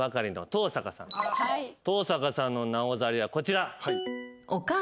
登坂さんの「なおざり」はこちら。